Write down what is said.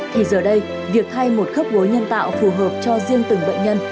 thì giờ đây việc thay một khớp gối nhân tạo phù hợp cho riêng từng bệnh nhân